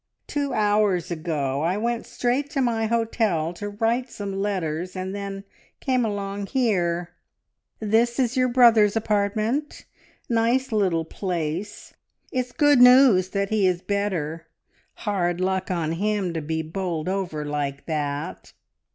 "Two hours ago. I went straight to my hotel to write some letters, and then came along here. ... This is your brother's apartment? Nice little place! It's good news that he is better! Hard luck on him to be bowled over like that!"